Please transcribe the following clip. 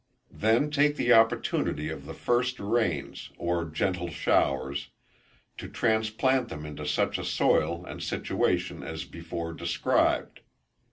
Then take the opportunity of the first rains, or gentle showers, to transplant them into such a soil and situation as before described.